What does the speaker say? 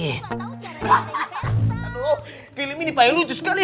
aduh film ini paling lucu sekali